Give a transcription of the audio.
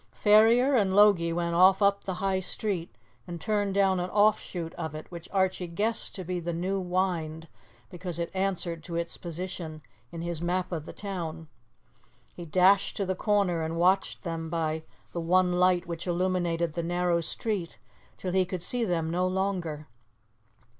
Ferrier and Logie went off up the High Street, and turned down an offshoot of it which Archie guessed to be the New Wynd, because it answered to its position in his map of the town. He dashed to the corner and watched them by the one light which illuminated the narrow street till he could see them no longer.